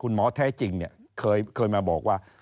คุณหมอแท้จริงเนี่ยเคยมาบอกว่า